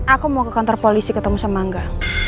aku mau ke kantor polisi ketemu sama enggak